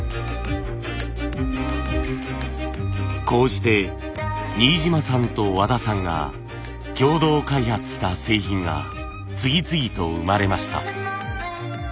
こうして新島さんと和田さんが共同開発した製品が次々と生まれました。